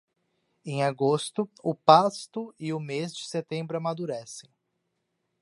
Em agosto, o pasto e o mês de setembro amadurecem.